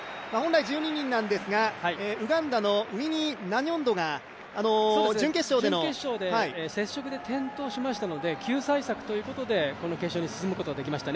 本来１２人なんですが、ウガンダのウィニー・ナニョンドが準決勝で、接触で転倒しましたので救済策ということで決勝に進むことができました。